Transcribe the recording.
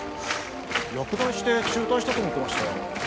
落第して中退したと思ってましたよ